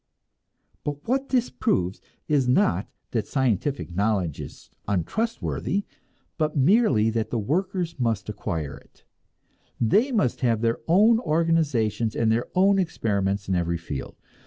But what this proves is not that scientific knowledge is untrustworthy, but merely that the workers must acquire it, they must have their own organizations and their own experiments in every field.